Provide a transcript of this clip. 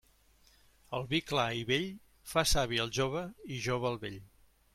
El vi clar i vell fa savi el jove i jove el vell.